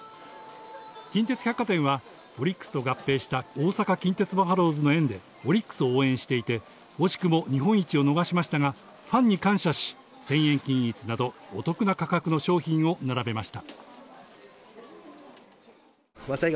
近鉄百貨店はオリックスと合併した大阪近鉄バファローズの縁でオリックスを応援していて、惜しくも日本一を逃しましたがファンに感謝し、日本一にちなんだ１０００円均一など、お得な価格の商品を並べました。